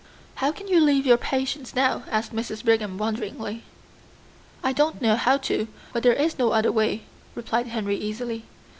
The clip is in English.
"How can you leave your patients now?" asked Mrs. Brigham wonderingly. "I don't know how to, but there is no other way," replied Henry easily.